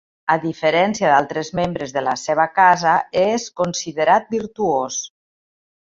A diferència d'altres membres de la seva casa és considerat virtuós.